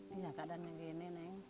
ini ya keadaan begini neng